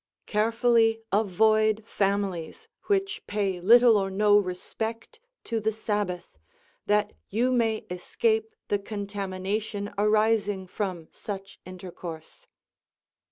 Carefully avoid families which pay little or no respect to the Sabbath, that you may escape the contamination arising from such intercourse.